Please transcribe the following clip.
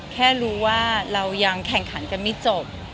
แค่รู้ว่าเรายังแข่งขันกันไม่จบ